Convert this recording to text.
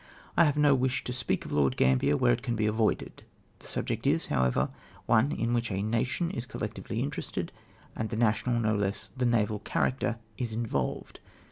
I have no wish to speak of Lord Gambier where it can be avoided. The subject is, however, one in which tlie nation is collec tively interested, and tlie national, no less than naval character, involved.